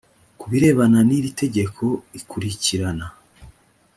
ku birebana n iri tegeko ikurikirana